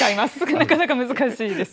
なかなか難しいです。